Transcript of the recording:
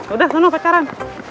udah seneng pacaran